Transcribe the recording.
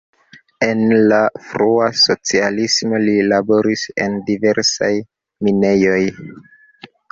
En la frua socialismo li laboris en diversaj minejoj.